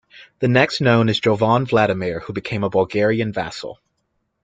The next known is Jovan Vladimir, who became a Bulgarian vassal.